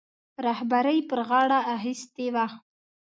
رهبري پر غاړه اخیستې وه.